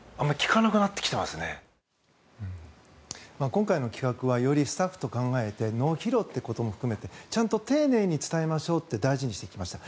今回の企画はよりスタッフと考えて脳疲労ってことも含めてちゃんと丁寧に伝えましょうって大事にしてきました。